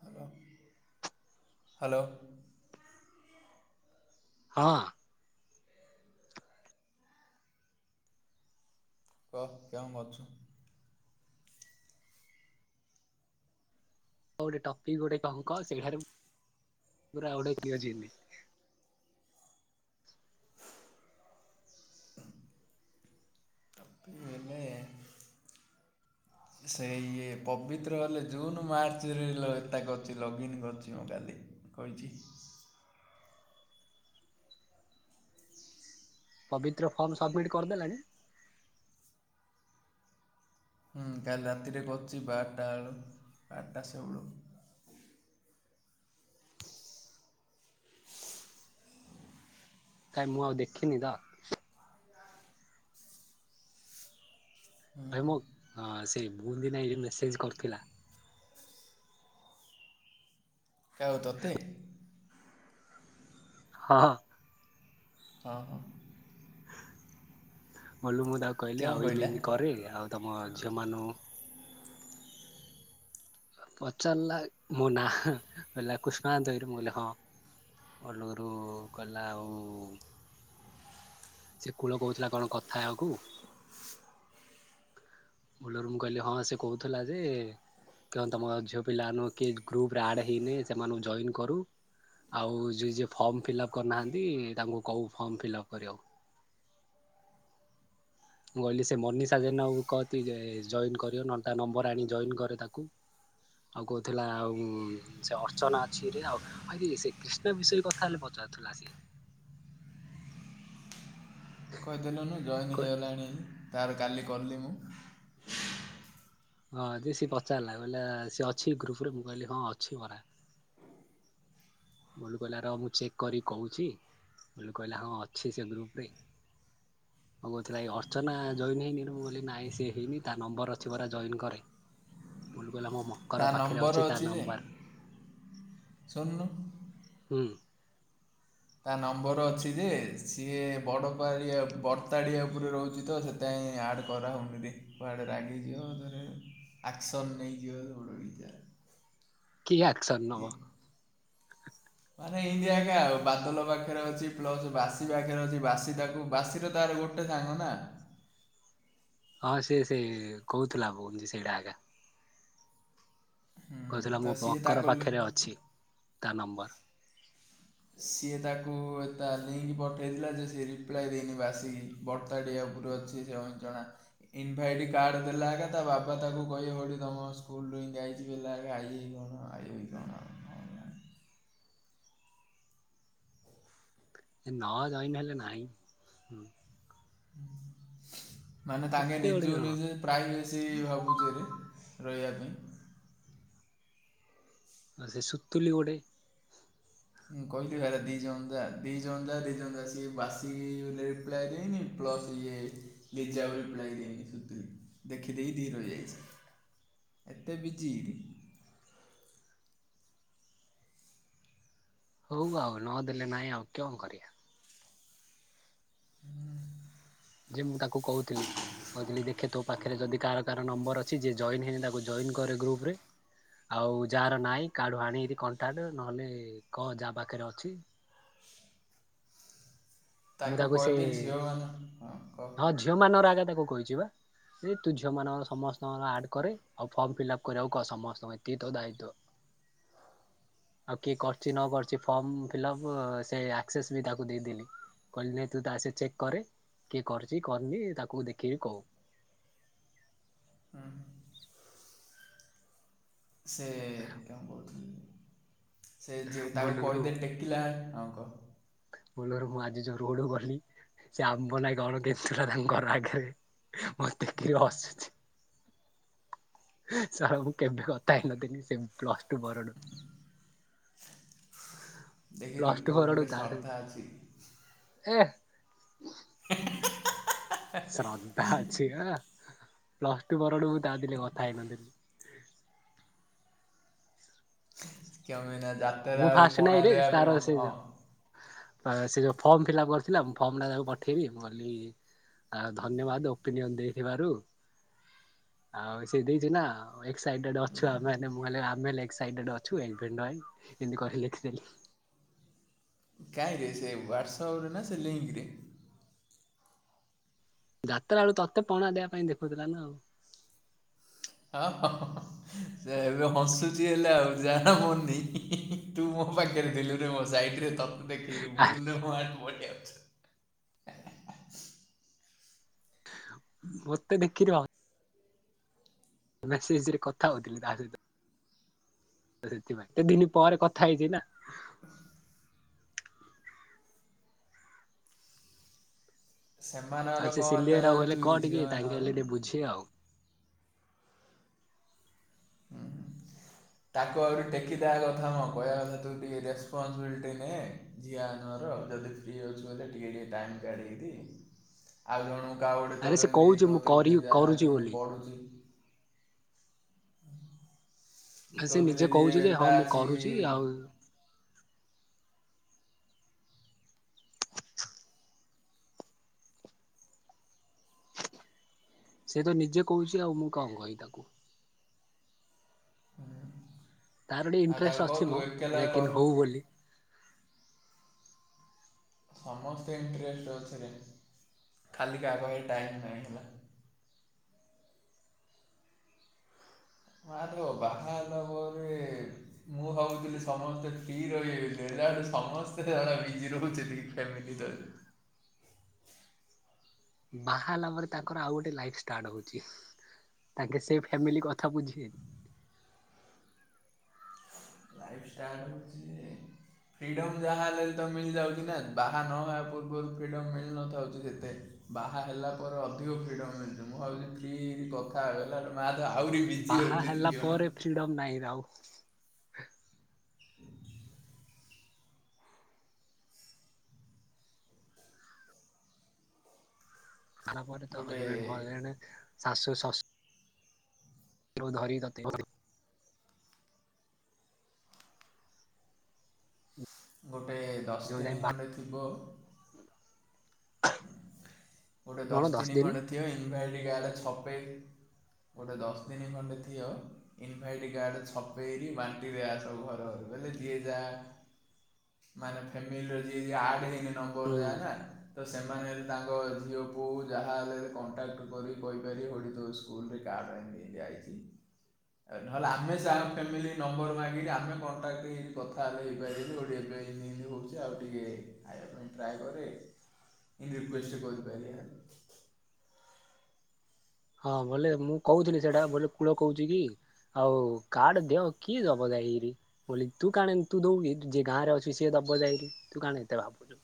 Hello. ହଁ। କହ କଁ କରୁଛୁ? ଆଉ ଗୋଟେ ଟପିକି ଗୋଟେ କହୁ କ ସେଇଠାରେ ପୂରା ଗୋଟେ [unintelligible] ହେଲେ ସେ ଇଏ ପବିତ୍ର ହେଲେ ଜୁନ ମାର୍ଚ୍ଚରେ କରିଛି ଲଗୀନ କରିଛି ମୁଁ କାଲି କହିଛି। ପବିତ୍ର ଫର୍ମ ସବମିଟ୍ କରିଦେଲାଣି? ହୁଁ କାଲି ରାତିରେ କରୁଛି ବାରଟା ବେଳୁ ବାରଟା ସେଉଳୁ। କାଇଁ ମୁଁ ଆଉ ଦେଖିନି ତ। ଭାଇ ମୁଁ ଆ ସେଇ [unintelligible] ନା ମେସେଜ କରିଥିଲା। କାହାକୁ ତତେ? ହଁ। ହଁ ହଁ। ଗଲୁ ମ ତାକୁ କହିଲି କେଉଁ ଆଉ ଏମତି କହିଲା? ଏମତି କରେ ଆଉ ତମ ଜମାନୁ ପଚାରିଲା ମୋ ନାଁ କିହିଲା କୃଷ୍ଣା ଆନ୍ତ ମୁଁ କହିଲି ହଁ ଅଲରୁ କହିଲା ଆଉ ସେ କୂଳ କହୁଥିଲା କଣ କଥା ହବାକୁ ବୋଲରୁ ମୁ କହିଲି ହଁ ସେ କହୁଥିଲା ଯେ କଣ ତୁମ ଝିଅ ପିଲାମାନ କିଏ ଗ୍ରୁପରେ ଆଡ଼୍ ହେଇନି ସେମାନଙ୍କୁ ଜଏନ୍ କରୁ ଆଉ ଯିଏ ଯିଏ ଫର୍ମ ଫିଲ୍ଅପ୍ କରୁନାହାନ୍ତି ତାଙ୍କୁ କହୁ ଫର୍ମ ଫିଲ୍ଅପ୍ କରିବାକୁ। ମୁଁ କହିଲି ସେ ମନିଷା ଜେନାଙ୍କୁ କହନ୍ତି ଯେ ଜଏନ କରିବ ନହେଲେ ତା ନମ୍ବର ଆଣି ଜଏନ କରେ ତାକୁ ଆଉ କହୁଥିଲା ଆଉ ସେ ଅର୍ଚ୍ଚନା ଅଛିରେ ଆଉ କି ସେ କ୍ରିଷ୍ଣ ବିଷୟ କଥା ହେଲେ ପଚାରୁଥିଲା ସେ। କହିଦେଲୁନୁ ଜଏନ୍ ହେଇଗଲାଣି। ତାର କାଲି କଲି ମୁଁ। ହଁ ଯେ ସିଏ ପଚାରିଲା କହିଲା ସିଏ ଅଛି ଗ୍ରୁପ ରେ ମୁଁ କହିଲି ହଁ ଅଛି ପରା। ବୁଲୁ କହିଲା ର ମୁଁ ଚେକ୍ କରି କହୁଛି ବୁଲୁ କହିଲା ହଁ ଅଛି ସେ ଗ୍ରୁପ ରେ ହଁ କହୁଥିଲ ଏଇ ଅର୍ଚ୍ଚନା ଜଏନ ହେଇନିଁ କହିଲି ନାଇଁ ସେ ହେଇନି ତା ନମ୍ବର ଅଛି ପରା ଜଏନ୍ କରେ ବୁଲୁ କହିଲା ମୋ ମକର ତା ପାଖରେ ନମ୍ବର ଅଛି ତା ଯେ ନମ୍ବର। ଶୁଣୁନୁ? ହୁଁ। ତା ନମ୍ବର ଅଛି ଯେ ସିଏ ବଡ଼ପଡ଼ିଆ ବରତାଡ଼ିଆ ଉପରେ ରହୁଛି ତ ସେଥିପାଇଁ ଆଡ଼୍ କରାହେଉନି କୁଆଡ଼େ ରାଗିଯିବ ତାରେ ଆକ୍ସନ୍ ନେଇଯିବ [unintelligible] କି ଆକ୍ସନ ଯେ। ନବ? ମାନେ ଇନ୍ତି ଏକା ଆଉ ବାଦଲ ପାଖରେ ଅଛି, ପ୍ଲସ ବାସି ପାଖରେ ଅଛି, ବାସି ତାକୁ ବାସିର ତାର ଗୋଟେ ସାଙ୍ଗ ନା। ହଁ ସେ ସେଇ କହୁଥିଲା ଭଉ ସେଇଟା ଆ କା ହୁଁ କହୁଥିଲା ମୋ ତ ସିଏ ବଙ୍କର ତାକୁ ପାଖରେ ଅଛି ତା ନମ୍ବର। ସିଏ ତାକୁ ଏ ତା ଲିଙ୍କ ପଠେଇଥିଲା ଯେ ସିଏ ରିପ୍ଲାଏ ଦେଇନି ବାସିକି, ବର୍ତ୍ତାଟିଆ ଉପରୁ ଅଛି ସେ ଜଣା ଇନଭାଇଟ୍ କାର୍ଡ଼ ଦେଲା ଏକା ତା ବାବା ତାକୁ କହିବେ ଭଳି ତମ ସ୍କୁଲରୁୁ ହିଁ ଯାଇଛି ବା [unintelligible] ଆଇ କଣ ଆଇ କଣ। ନ ଜଏନ ହେଲେ ନାହିଁ। ହୁଁ। ମାନେ ତାଙ୍କେ ଏତେ ଗୁଡେ ନିଜେକୁ କଣ ନିଜେ ପ୍ରାଇଭେଶି ଭାବୁଛି [unintelligible] ରହିଆ ପାଇଁ। ନା ସେ ସୁତୁଲି ଗୋଟେ ହୁଁ କହଥିଲା ହେଲା ଦି ଜଣ ଯା, ଦି ଜଣ ଯା, ଦି ଜଣ ଯା ସିଏ ବାସିକି ରିପ୍ଲାଇ ଦେଇନି, ପ୍ଲସ୍ ଇଏ ଲିଜାକୁ ରିପ୍ଲାାଇ ଦେଇନି ଦେଖିଦେଇି ଦି [unintelligible] ଯାଇଛି, ଏତେ ବିଜି। ହଉ ଆଉ ନଦେଲେ ନାଇଁ ଆଉ କଁ କରିଆ। ହୁଁ। ଯେ ମୁଁ ତାକୁ କହୁଥିଲି ମୋର ଅଛି ଯେ ଜଏନ ହେଇନି ତାକୁ ଜଏନ କର ଗ୍ରୁପରେ, ଆଉ ଯାହାର ନାଇଁ କାହାଠୁ ଆଣିକିରି କଂଟାକ୍ଟ ନହେଲେ କ ଯାହା ପାଖରେ ଅଛି। ମୁଁ ତାକୁ ସେ, କହିଦେ ଝିଅମାନ ହଁ କହ ହଁ ଝିଅ ମାନର [unintelligible] ତାକୁ କହିଛି ବା। ଏ ତୁ ଝିଅ ମାନଙ୍କର ସମସ୍ତଙ୍କର ଆଡ କରେ ଆଉ ଫର୍ମ ଫିଲପ କରିବାକୁ କ ସମସ୍ତଙ୍କୁ, ଏତିକି ତୋ ଦାୟିତ୍ୱ, ଆଉ କିଏ କରିଛି ନ କରିଛି ଫର୍ମ ଫିଲପ ସେ ଆକ୍ସସେସ୍ ବି ତାକୁ ଦେଇଦେଲି। କହିଲି ନାଇ ତୁ ତା ସେ ଚେକ୍ କରେ, କିଏ କରୁଚି କରିନି ତାକୁ ଦେଖିକି କହୁ। ହୁଁ। ସେ କଣ କ [unintelligible] ସେ ଯିଏ ତାକୁ ବୋଲରୁ କହିଦେ ଟେକିଲା ଆଉ କ ବୋଲରୁ ମୁଁ ଆଜି ଯୋଉ ରୋଡ ରୁ ଗଲି ସେ ଆମ୍ବ ନା କଣ [unintelligible] ଥିଲା ତାଙ୍କ ଘର ଆଗରେ ମତେ ଦେଖକି ହସୁଛି। ସାର୍ ମୁଁ କେବେ କଥା ହେଇନଥିଲିନି ସେ ପ୍ଲସ ଟୁ ପରଠୁ। ଦେଖିଲୁ ପ୍ଲସ ଟୁ ତୋ ପରଠୁ ଉପରେ ତା ସହିତ ଶର୍ଦ୍ଧା ଅଛି। ଏ [unintelligible] ଶ୍ରଦ୍ଧା ଅଛି ଆ ପ୍ଲସ ଟୁ ପରଠୁ ମୁ ତା ଦିନେ କଥା ହେଇନଥିଲି। କିଆ ମିିନା ମୁଁ ଯାତ୍ରା ରୁ ଫାଷ୍ଟ ପଣା ନାଇଁରେ ଦେବା ତାର ପାଇଁ ହଁ ସେ ହଁ ସେ ଯୋଉ ଫର୍ମ ଫିଲ୍ଅପ୍ କରିଥିଲା ଫର୍ମ ଟା ତାକୁ ପଠେଇଲି ମୁଁ କହିଲି ଧନ୍ୟବାଦ ଓପିନିଅନ ଦେଇଥିବାରୁ ଆଉ ସେ ଦେଇଛି ନା ଏକ୍ସାଇଟେଡ ଅଛୁ ଆମେମାନେ ମୁଁ ହେଲେ ଆମେ ଲେ ଏକ୍ସାଇଟେଡ ଅଛୁ ଏନଫ୍ରିନନାଇନ ଏମତି କହି ଲେଖିଦେଲି। କାହିଁରେ ସେ ହ୍ଵାଟ୍ସଆପରେ ନା ସେ ଲିଙ୍କରେ? ଯତ୍ରା ବେଳୁ ତତେ ପଣା ଦେବା ପାଇଁ ଦେଖୁଥିଲା ନା ଆଉ। ହଁ [unintelligible] ସେ ଏବେ ହସୁଚି ହେଲେ ଆଉ ଯାହା ପଡୁନି [unintelligible] ତୁ ମୋ ପାଖରେ ଥିଲୁରେ ମୋ ସାଇଟିରେ ତ [unintelligible] ମତେ ଦେଖିରି ହ ମେସେଜରେ କଥା ହଉଥିଲି ତା ସହିତ ସେଥିପାଇଁ ଏତେ ଦିନ ପରେ କଥା ହେଇଛି ନା। ସେମାନଙ୍କର ଆଉ ସେ କ'ଣ ଏତେ ସିଲେଇରା କହିଲେ ଜାଣିଛୁ କ‌ଅ କିରେ ଟିକେ ତାଙ୍କେ ହେଲେ ଝିଅମାନଙ୍କର ଟିକେ ବୁଝିବେ ଆଉ ହୁଁ ତାକୁ ଆହୁରି ଟେକିଦବା କଥା ମଁ କହିବା କଥା ତୁ ଟିକେ ରେସପନ୍ସିବିଲିଟି ଟିକେ ନେ ଝିଅ [unintelligible] ଆମର ଯଦି ଫ୍ରି ଅଛୁ ବୋଧେ ଟିକେ ଟିକେ ଟାଇମ୍ କାଢିକି ଦେ ଆଉ ଜଣ ଗାଁ ଗୋଟେ ଆରେ ତୋର ସେ କହୁଛି ଏମିତି ମୁଁ କରି [unintelligible] ଯାହା କରୁଛି ଯେମିତି ବୋଲି ପଢୁଚି। ହେ ସେ ତୋ ଥିଲେ ନିଜେ କୋହୁଚି ଯିଏ ଯେ ହଁ ତା ମୁଁ ଅଛି କରୁଚି ଆଉ ସେ ତ ନିଜେ କୋହୁଚି ଆଉ ମୁଁ କଣ କହିବି ତାକୁ। ତାର ଗୋଟେ ଆଉ ତାକୁ ଇଣ୍ଟରେଷ୍ଟ କହ ଅଛି ତୁ ମ ଏକେଲା [unintelligible] କର ହୋଉ ବୋଲି। ସମସ୍ତେ ଇଣ୍ଟରେଷ୍ଟ ଏଥିରେ ଖାଲି କାହା ପାଖରେ ଟାଇମ୍ ନାହିଁ ହେଲା। ! ! ! ! ! ! ! ! ! ! ବାହାହେଲା ପରେ ତାଙ୍କର ଆଉ ଗୋଟେ ଲାଇଫି ଷ୍ଟାର୍ଟ ହୋଉଚି ତାଙ୍କେ ସେ ଫ୍ୟାମିଲି କଥା ବୁଝିବେ। ଲାଇଫିଷ୍ଟାଟ ହେଉଚି ଫ୍ରିଡମ୍ ଯାହା ହେଲେ ତ ମିଳିଯାଉଚି ନା ବାହା ନହବା ପୂର୍ବରୁ ଫ୍ରିଡମ୍ ମିଳିନଥାଉଚି ଯେତେ ବାହା ହେଲା ପରେ ଅଧିକ ଫ୍ରିଡମ୍ ମିଳୁଚି। ମୁଁ ଭାବୁଚି ଫ୍ରି ହେଇକି କଥା [unintelligible] ବିଜି ବାହା ରହୁଛି ଦି ହେଲା ଜଣ ପରେ ଫ୍ରିଡମ୍ ନାହିଁରେ ଆଉ ବାହାହେଲା ପରେ ତ ଗୋଟେ ହଜବେଣ୍ଡ ହଜବେଣ୍ଡ ଶାଶୁ ଶ ଅସ୍ ଧରି ତତେ [unintelligible] ଗୋ ଗୋଟେ ଦଶ ଯୋଉ ଯାଏ ଦିନି ବା ଖଣ୍ଡେ ଥିବ ଗୋଟେ ଦଶ ଦିନି ଖଣ୍ଡେ ଥିବ ଇନଭାଇଟ୍ କାର୍ଡ ଛପ୍ ଗୋଟେ ଦଶ ଦିନ ଖଣ୍ଡେ ଥିବ ଇନଭାଇଟ୍ କାର୍ଡ ଛପେଇରି ବାଣ୍ଟିବେ ଆସ ଘର ଘର ବେଲେ ଯିଏ ଯାହା ମାନେ ଫ୍ୟାମିଲି ରେ ଯିଏ ଯିଏ ଆଡ୍ ହେଇନାହିଁ ହୁଁ। [unintelligible] ଯାଏନା ସେମାନେ ତାଙ୍କ ଝିଅ ପୁଅକୁ ଯାହାହେଲେ କଣ୍ଟାକ୍ଟ କରିିକି କହିପାରିବେ କଉଠି ତୁ ସ୍କୁଲରେ କାର୍ଡ଼ ଆଣିକି ଆଜି ଆଇଛି ଆ ନହେଲେ ଆମେ ସ ଫ୍ୟାମିଲି ନମ୍ବର ମାଗିକି ଆମେ କଣ୍ଟାକ୍ଟ ହେଇକି କଥା ହେଲେ ହେଇପାରିବୁ ଏବେ ଏମିତି ଏମିତି ହେଉଛି ଆଉ ଟିକେ ଖାଇବା ପାଇଁ ଟ୍ରାଏ କରେ। ରିକୁଏଷ୍ଟ କରି ପାରିଆ। ହଁ ବୋଲେ ମୁଁ କହୁଥିଲି ସେଇଟା ବୋଲେ କୂଳ କହୁଛି କି ଆଉ କାର୍ଡ ଦେଅ କିଏ ଦବ ଯାଇକିରି ବୋଲି ତୁ କାଣ ତୁ ଦଉ କିି ଯିଏ ଗାଁ ରେ ଅଛି ସିଏ ଦବ ଯାଇକିରି ତୁ କାଣ ଏତେ ଭାବୁଛୁ।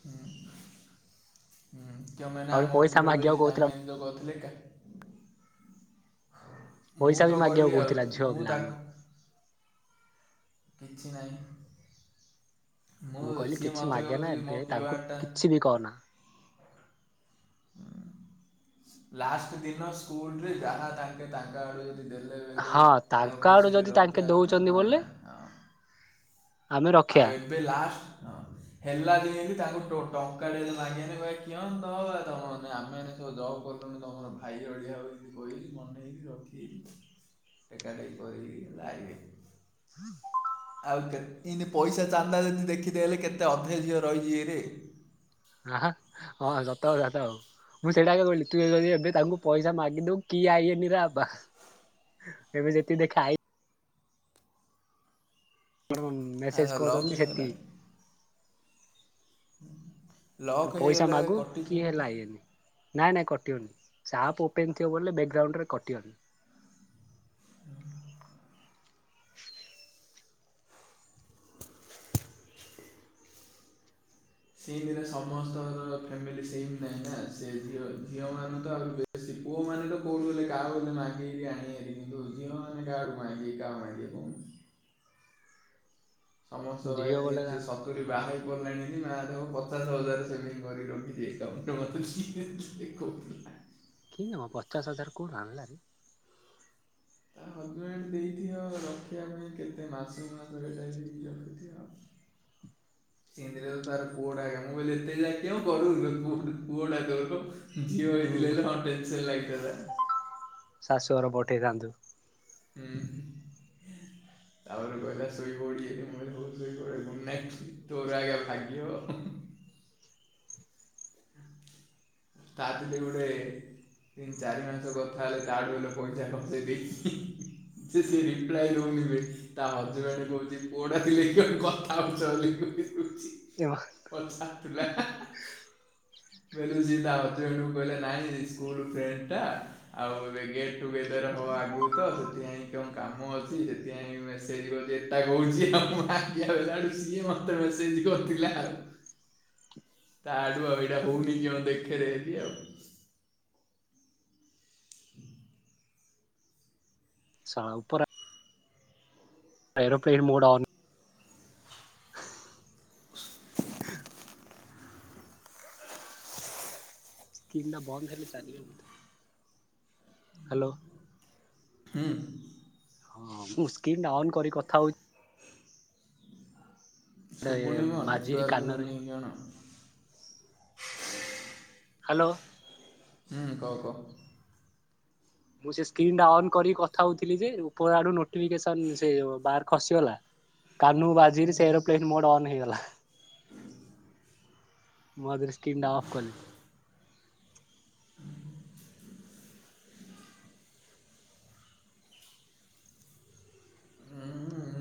ହୁଁ ହୁଁ। ଯୋଉମାନେ ଆହୁରି ଆମ ପଇସା ଉପର ବି ଏ ମାଗିବାକୁ କହୁଥିଲା ଯୋଉ [unintelligible] କରୁଥିଲେ। ମୁଁ ପଇସା ବି ତ କହିଲି ମାଗିବାକୁ ଆଉ କହୁଥିଲା ଝିଅ ମୁଁ ତାକୁ ପିଲାମାନଙ୍କୁ। କିଛି ନାହିଁ। ମୁଁ କହିଲି ସିଏ କିଛି ମୋତେ ମାଗେ ନା କହୁଛି ମୋ ଏବେ ତାଙ୍କୁ କ୍ୟୁଆର୍ଟା କିଛି ବି କହନା। ଲାଷ୍ଟ ଦିନ ସ୍କୁଲରେ ଯାହା ତାଙ୍କେ ତାଙ୍କ ଆଡୁ ଯଦି ଦେଲେ ବେଲେ ହଁ ତାଙ୍କ ଆଡୁ ଖୁସିରେ ଯଦି ତାଙ୍କେ ରଖିବା କଥା ଦଉଛନ୍ତି ନହେଲେ ବୋଲେ ନାହିଁ ହଁ ଆପ୍ ଆଉ ଏବେ ଲାଷ୍ଟ ହଁ ହେଲା ଦିନ ତାଙ୍କୁ ଟୋ ଟଙ୍କା ଟେ ବି ମାଗେନି ଭାଇ କିଅଣ ତ ତମେମାନେ ଆମେମାନେ ସବୁ ଜବ୍ କଲୁନୁ ତମର ଭାଇ ଅଳିଆ ହୋଇକି କହିକି ମନେଇକି ରଖିକି ଟେକା ଟେକି କରିକି ଲାଇବେ। ଆଉ ଯେ ଏଇନେ ପଇସା ଚାନ୍ଦା ଯଦି ଦେଖିଦେଲେ କେତେ ଅଧେ ଝିଅ ରହିଯିବେରେ। ଆହା ହଁ ସତ କଥା ତ ଆଉ ମୁଁ ସେଇଟାକ କହିଲି ତୁ ଯଦି ଏବେ ତାଙ୍କୁ ପଇସା ମାଗିଦଉ କିଏ ଆଇଏନି ରେ ବାବା ଏବେ ଯେତିକି ଦେଖା ଆଇ କଣ ମେସେଜ ଆଉ ଲକ୍ କରିଛନ୍ତି ହେଇଗଲା ସେତିକି। ରେ ତୁ ଲକ୍ ପଇସା ହେଇଗଲେ ମାଗୁ କି କଟିଯିବ ହେଲେ ତ ଆଇଏନି। ନାଇଁ ନାଇଁ କଟିିବନି ସେ ଆପ୍ ଓପେନ୍ ଥିବ ବୋଲେ ବ୍ୟାକ୍ଗ୍ରାଉଣ୍ଡରେ କଟିିବନି। ସେଇଦିନ ସମସ୍ତଙ୍କର ଫ୍ୟାମିଲି ସେମ ନାହିଁ ନା ସେ ଝିଅ ଝିଅ ମାନେ ତ ଆହୁରି ବେଶୀ ପୁଅମାନେ ତ କୋଉଠୁ ହେଲେ କାହାକୁ ହେଲେ ମାଗିକି ଆଣିବେହାରି କିନ୍ତୁ ଝିଅ ମାନେ କାହାଠୁ ମାଗିବେ କାହାକୁ ମାଗିବେ କହୁନୁ? ସମସ୍ତ ଝିଅ ବୋଲେ [unintelligible] ସେ ସତୁରି ହଁ ବାହାରି ପଡିଲାଣି କି ନା ତାକୁ ପଚାଶ ହଜାର ସେମିତି କରି ରଖିଛି ଏକାଉଣ୍ଟ ରେ ରଖିଛି। [unintelligible] କହୁଥିଲି ନା। କିନ୍ତି କଣ ପଚାଶ ହଜାର କୋଉଠୁ ଆଣିଲାରେ? ତା ହଜବେଣ୍ଡ ଦେଇଥିବ ରଖିବା ପାଇଁ କେତେ ମାସ ମାସଟା ରଖିଥିବ ସେମିତିରେ ତ ତାର ପୁଅଟା ଆଜ୍ଞା ମୁଁ କହିଲି ଏତେ ଯାଏଁ [unintelligible] କରୁନ ପୁଅଟା ତୋର ଝିଅ ହୁଁ ହେଇଥିଲେ ହଁ ଟେନସନ ଲାଗିଥାନ୍ତା। ଶାଶୁଘର ପଠେଇଥାନ୍ତୁ। ହୁଁ। ତାପରେ କହିଲା ଶୋଇ ପଡ଼ି [unintelligible] କେମିତି ପୁଅ ଶୋଇବ [unintelligible] ନେଷ୍ଟ ତୋର ଆଗେ ଭାଗିବ। ତା ହରେ ଗୋଟେ ତିନି ଚାରି ମାସ କଥା ହେଲେ ତାଠୁ ଗଲେ ପଇସା ଖଚେଇ ଦେଇକି ସେ ସେ ରିପ୍ଲାଏ ରହୁନିବ ତା ହଜବେଣ୍ଡ କହୁଛି ପୋଡା ଥିଲେ କଥାବ [unintelligible] ଛି ପଚାରୁଥିଲା। ବେଲୁ ଜି ତା ହଜବେଣ୍ଟ କୁ କହିଲା ନାଇଁ ସ୍କୁଲ ଫ୍ରେଣ୍ଡ୍ ଟା ଆଉ [unintelligible] ଟୁଗେଦର ହବ ଆଗୁକତ ସେଥିପାଇଁ କଣ କାମ ଅଛି ସେଥିପାଇଁ ମେସେଜ କରିଚି ଏଟା କୋହୁଚି [unintelligible] ସିଏ ମତେ ମେସେଜ କରୁଥିଲା ଆଉ। ତାଆଡୁ ଆଉ ଏଇଟା ହୋଉନି କିଅଣ ଦେଖେରେ ଆଜି ଆଉ। ସାଉ ପରା ଏରୋପ୍ଲେନ୍ ମୋଡ ଅନ୍ [inaudible] ସ୍କ୍ରିନ୍ ଟା ବନ୍ଦ ହେଲେ ଚାଲିବ ବୋଧେ। ହାଲୋ। ହୁଁ। ହଁ ମୁଁ ସ୍କ୍ରୀନ ଟା ଅନ୍ କରି କଥା ହୋଉ ଶୁବୁନି ମ ବାଜିରି ନେଟୱାର୍କ କୁ କାନରେ ନେଇକି ଆଣ। ହାଲୋ। ହୁଁ କ‌ଅ କ‌ଅ। ମୁଁ ସେ ସ୍କ୍ରୀନ୍ ଟା ଅନ୍ କରି କଥା ହୋଉଥିଲି ଯେ ଉପର ଆଡୁ ନୋଟିଫିକେସନ ସେ ବାର ଖସିଗଲା। କାନୁକୁ ବାଜିକିରି ସେ ଏରୋପ୍ଲେନ ମୋଡ ଅନ୍ ହେଇଗଲା। ମୁଁ ଆଉ ଥରେ ସ୍କ୍ରୀନଟା ଅଫ୍ କଲି। ହୁଁ ଉଁ [unintelligible]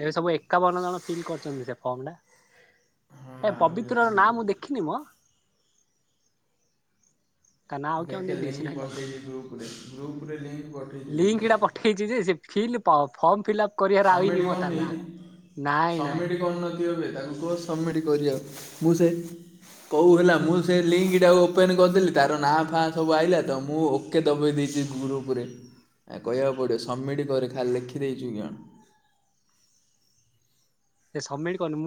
ଏବେ ସବୁ ଏକାବନ ଜଣ ଫିଲ୍ କରିଚନ୍ତି ସେ ଫର୍ମଟା? ହଁ ଏ ଆହୁରି ପବିତ୍ର ଅଛି ର ନାଁ ଦେଖୁ ମୁଁ ଦେଖିନି ମ। ତା ନାଁ ଆଉ କଣ ଦେଇଦେଇଛି ନା କଣ? ଗ୍ରୁଫରେ ଲିଙ୍କ ଲିଙ୍କଟା ପଠେଇଚି ଯେ ସେ ଫିଲ୍ ପା ଫର୍ମ ଫିଲ୍ଅପ ସମମିଟ କରନି ନାଇଁ ନାଇଁ ସମମିଟି କରିନଥିବ ବେ। ତାକୁ କୁହ ସବମିଟ୍ କରିବ ମୁଁ ସେ କହୁ ହେଲା ମୁଁ ସେ ଲିଙ୍କ ଟାକୁ ଓପେନ କରିଦେଲି ତାର ନାଁ ଫାଁ ସବୁ ଆଇଲା ତ ମୁଁ ଓକେ ଦବେଇ ଦେଇଛି ଗ୍ରୁପରେ କହିବାକୁ ପଡ଼ିବ ସବମିଟ୍ କରେ ଖାଲି ଲେଖିଦେଇଛୁ କିଅଣ। ସେ ସବମିଟ କରିନି ମୁଁ